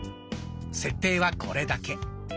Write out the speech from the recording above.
設定はこれだけ。